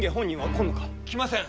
来ません。